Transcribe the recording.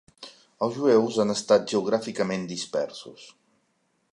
Els jueus han estat geogràficament dispersos.